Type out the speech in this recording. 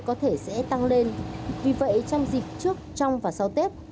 có thể sẽ tăng lên vì vậy trong dịp trước trong và sau tết